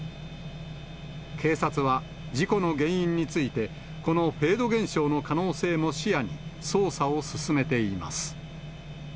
警察は、事故の原因について、このフェード現象の可能性も視野に、捜査を進めています。